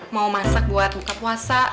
mau masak buat buka puasa